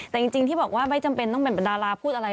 แต่จริงที่บอกว่าไม่จำเป็นต้องเป็นดาราพูดอะไร